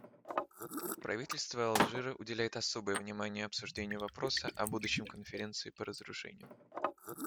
Правительство Алжира уделяет особое внимание обсуждению вопроса о будущем Конференции по разоружению.